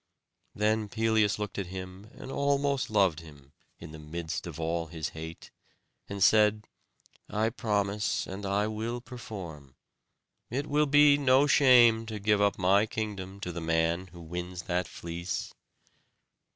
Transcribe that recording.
Then Pelias looked at him and almost loved him, in the midst of all his hate; and said, "I promise, and I will perform. It will be no shame to give up my kingdom to the man who wins that fleece."